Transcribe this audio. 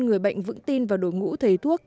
người bệnh vững tin vào đổi ngũ thầy thuốc